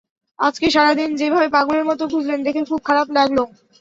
আজকে সারা দিন যেভাবে পাগলের মতো খুঁজলেন, দেখে খুব খারাপ লাগল।